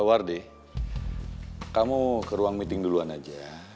wardi kamu ke ruang meeting duluan aja